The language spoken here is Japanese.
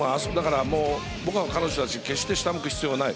僕は彼女たち決して下を向く必要はない。